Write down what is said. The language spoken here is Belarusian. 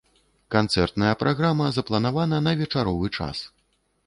Канцэртная праграма запланавана на вечаровы час.